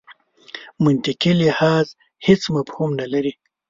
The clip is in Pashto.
منطقي لحاظ هېڅ مفهوم نه لري.